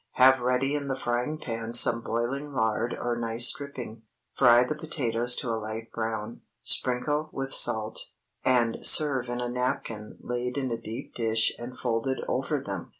Have ready in the frying pan some boiling lard or nice dripping, fry the potatoes to a light brown, sprinkle with salt, and serve in a napkin laid in a deep dish and folded over them.